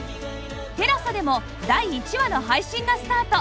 ＴＥＬＡＳＡ でも第１話の配信がスタート